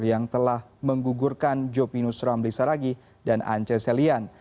yang telah menggugurkan jopinus ramli saragi dan ance selian